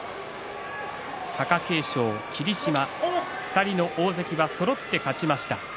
貴景勝、霧島２人の大関はそろって勝ちました。